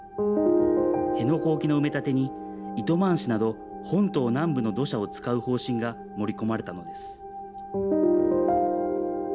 辺野古沖の埋め立てに糸満市など、本島南部の土砂を使う方針が盛り込まれたのです。